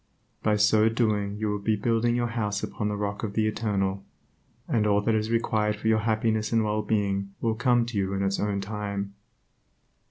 By so doing you will be building your house upon the rock of the Eternal, and all that is required for your happiness and well being will come to you in its own time.